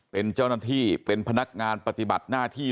เป็นเจ้าหน้าที่เป็นพนักงานปฏิบัติหน้าที่